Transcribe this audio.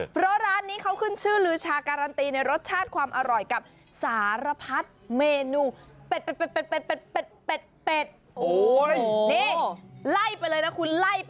เพราะร้านนี้เขาขึ้นชื่อลือชาการันตีในรสชาติความอร่อยกับสารพัดเมนูเป็ด